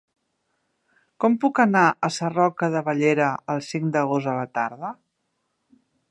Com puc anar a Sarroca de Bellera el cinc d'agost a la tarda?